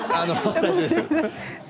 大丈夫です。